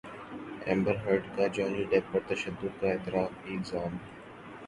امبر Heard کا Johnny Depp پر تشدد کا اعتراف بھی الزام بھی